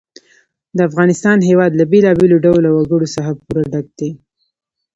د افغانستان هېواد له بېلابېلو ډولو وګړي څخه پوره ډک دی.